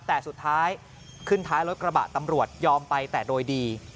แต่สุดท้ายขึ้นท้ายรถกระบะตำรวจยอมไปแต่โดยดี